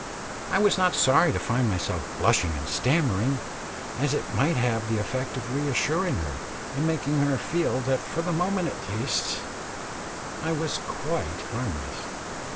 I was not sorry to find myself blushing and stammering, as it might have the effect of reassuring her, and making her feel that for the moment at least I was quite harmless.